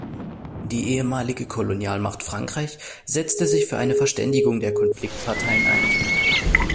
Die ehemalige Kolonialmacht Frankreich setzte sich für eine Verständigung der Konfliktparteien ein.